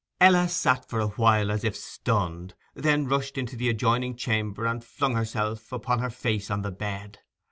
Ella sat for a while as if stunned, then rushed into the adjoining chamber and flung herself upon her face on the bed.